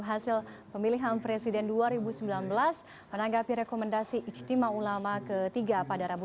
hasil pemilihan presiden dua ribu sembilan belas menanggapi rekomendasi ijtima ulama ketiga pada rabu